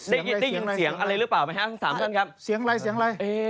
ได้ยินเสียงอะไรรึเปล่าไหมครับทั้ง๓ขั้นครับ